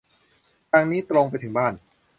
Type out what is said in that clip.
ทางนี้ตรงไปถึงบ้าน